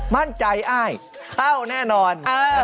มั่นใจอ้ายเข้าแน่นอน